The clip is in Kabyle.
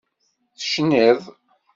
Tecnid.